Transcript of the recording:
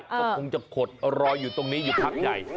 ก็คงจะขดรออยู่ตรงนี้อยู่พักใหญ่